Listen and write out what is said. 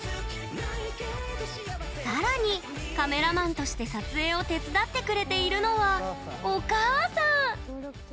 さらにカメラマンとして撮影を手伝ってくれているのはお母さん！